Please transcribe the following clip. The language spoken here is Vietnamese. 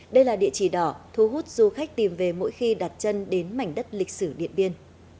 đây là địa chỉ đỏ thu hút du khách tìm về mỗi khi đặt chân đến mảnh đất lịch sử điện biên